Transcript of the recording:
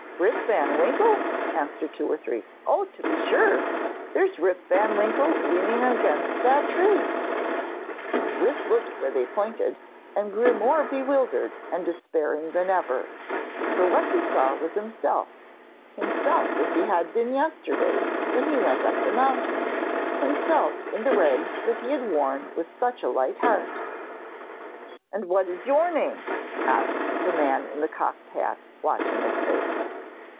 'Rip van Winkle?' answered two or three. 'Oh, to be sure! There's Rip van Winkle leaning against that tree.' Rip looked where they pointed, and grew more bewildered and despairing than ever. For what he saw was himself; himself as he had been yesterday when he went up the mountain; himself in the rags that he had worn with such a light heart. 'And what is your name?' asked the man in the cocked hat, watching his face.